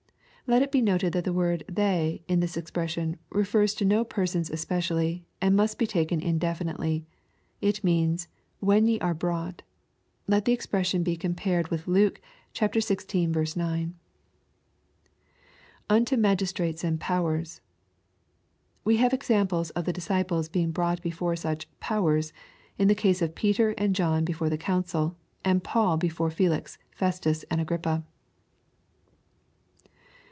] Let it be noted, that the word " they," in this expression, refers to no persons especially, and must be taken indefinitely. It means, " When ye are brought." Let the expression be compared with Luke xvi. 9. [ Unto magistrates and powers^ We have examples of the dis ciples being brought before such " powers," in the case of Peter and John before the council, and Paul before Eelix, Pestus, and Agrippa.